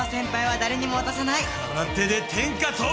空手で天下統一！